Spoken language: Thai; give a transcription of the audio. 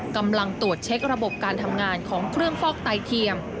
กำลังตรวจเช็คระบบการทำงานของเครื่องฟอกไตเทียม